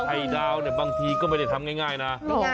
ไอ้ดาวเนี่ยบางทีก็ไม่ได้ทำง่ายนะ